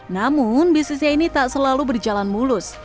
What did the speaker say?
namun bisnisnya ini tak selalu berjalan mulus